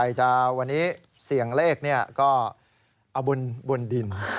ใครจะวันนี้เสี่ยงเลขเนี่ยก็เอาบนบนดิน